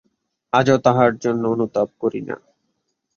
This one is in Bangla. আজও তাহার জন্য অনুতাপ করি না।